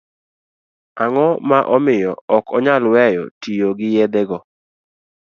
Ang'o ma omiyo okonyal weyo tiyo gi yedhe go?